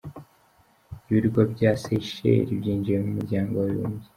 Ibirwa bya Seychelles byinjiye mu muryango w’abibumbye.